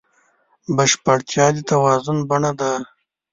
بشپړتیا د توازن بڼه ده.